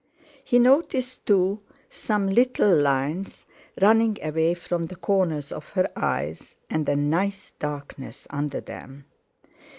He noticed, too, some little lines running away from the corners of her eyes, and a nice darkness under them.